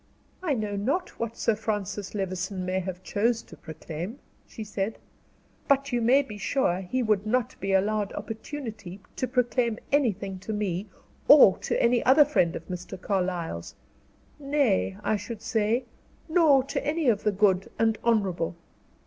"I know not what Sir Francis Levison may have chose to proclaim," she said, "but you may be sure he would not be allowed opportunity to proclaim anything to me, or to any other friend of Mr. Carlyle's; nay, I should say, nor to any of the good and honorable.